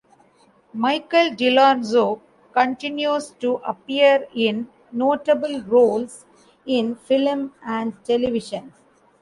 Michael DeLorenzo continues to appear in notable roles in film and television.